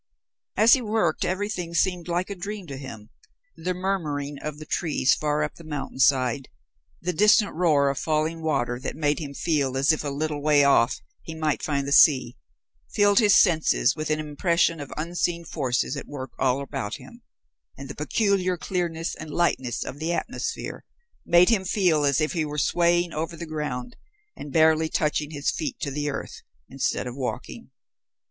As he worked, everything seemed like a dream to him. The murmuring of the trees far up the mountain side, the distant roar of falling water that made him feel as if a little way off he might find the sea, filled his senses with an impression of unseen forces at work all about him, and the peculiar clearness and lightness of the atmosphere made him feel as if he were swaying over the ground and barely touching his feet to the earth, instead of walking.